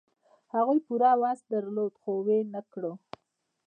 هغوی پوره وس درلود، خو و نه کړ.